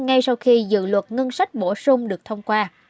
ngay sau khi dự luật ngân sách bổ sung được thông qua